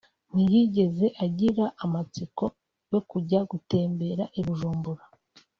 ntiyigeze agira amatsiko yo kujya gutemberera I Bujumbura